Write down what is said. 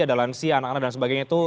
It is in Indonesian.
ada lansia anak anak dan sebagainya itu